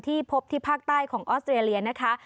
พบที่ภาคใต้ของออสเตรเลียนะคะ